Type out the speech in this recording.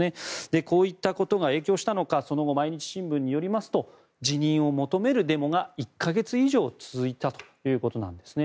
こういったことが影響したのかその後、毎日新聞によりますと辞任を求めるデモが１か月以上続いたということなんですね。